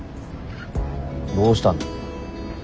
どうしたの？